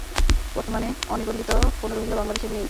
বর্তমানে অনিবন্ধিত কোনো রোহিঙ্গা বাংলাদেশে নেই।